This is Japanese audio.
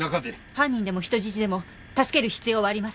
犯人でも人質でも助ける必要はあります。